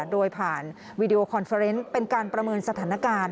โดยผ่านวีดีโอคอนเฟอร์เนส์เป็นการประเมินสถานการณ์